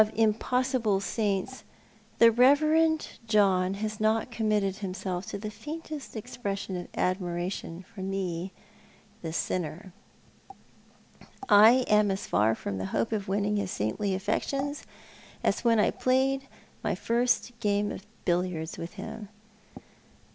possible saints, the Eeverend John has not committed himself to the faintest expression of admiration for me, the sinner. I am as far from the hope of winning his saintly affections as when I played my first game of billiards with him.